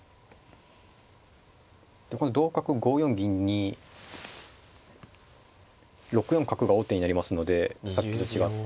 で今度同角５四銀に６四角が王手になりますのでさっきと違って。